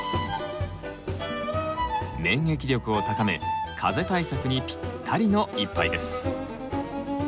免疫力を高め風邪対策にぴったりの一杯です。